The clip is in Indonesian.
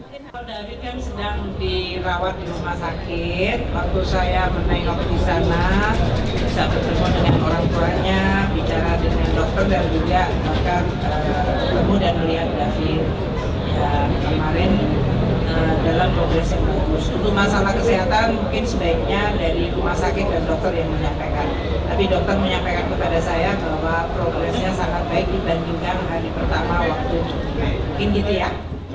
tapi dokter menyampaikan kepada saya bahwa progresnya sangat baik dibandingkan hari pertama waktu mungkin gitu ya